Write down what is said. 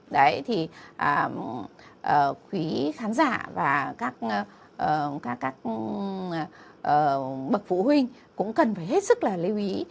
đấy thì quý khán giả và các bậc phụ huynh cũng cần phải hết sức là lưu ý